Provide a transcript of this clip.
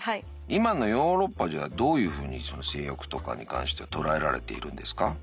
今のヨーロッパじゃどういうふうにその性欲とかに関しては捉えられているんですか？